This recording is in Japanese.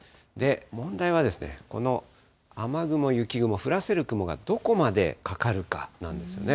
問題はこの雨雲、雪雲降らせる雲がどこまでかかるかなんですよね。